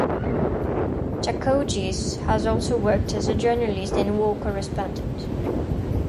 Shacochis has also worked as a journalist and war correspondent.